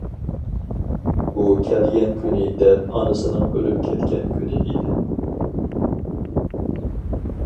ئۇ كەلگەن كۈنى دەل ئانىسىنىڭ ئۆلۈپ كەتكەن كۈنى ئىدى.